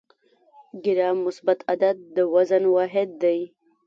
ګرام مثبت عدد د وزن واحد دی.